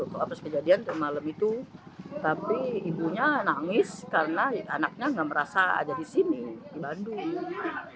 waktu kejadian malam itu tapi ibunya nangis karena anaknya nggak merasa ada di sini di bandung